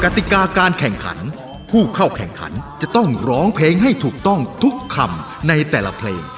ติกาการแข่งขันผู้เข้าแข่งขันจะต้องร้องเพลงให้ถูกต้องทุกคำในแต่ละเพลง